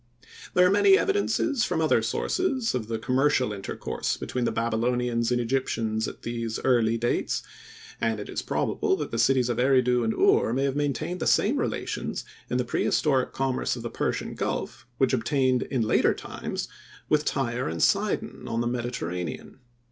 There are many evidences from other sources of the commercial intercourse between the Babylonians and Egyptians at these early dates, and it is probable that the cities of Eridu and Ur may have maintained the same relations in the prehistoric commerce of the Persian Gulf which obtained in later times with Tyre and Sidon on the Mediterranean.